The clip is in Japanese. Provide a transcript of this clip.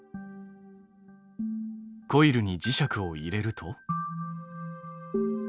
コイルに磁石を入れると。